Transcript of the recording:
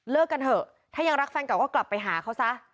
กันเถอะถ้ายังรักแฟนเก่าก็กลับไปหาเขาซะ